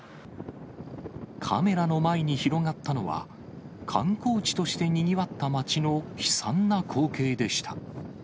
カメラの前に広がったのは、観光地としてにぎわった街の悲惨な光景でした。